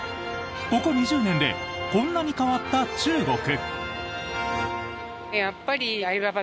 ここ２０年でこんなに変わった中国。